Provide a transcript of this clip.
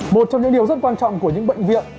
một trong những điều rất quan trọng của những bệnh viện